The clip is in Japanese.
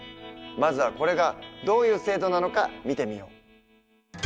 まずはこれがどういう制度なのか見てみよう。